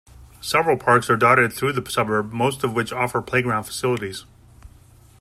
Several parks are dotted through the suburb, most of which offer playground facilities.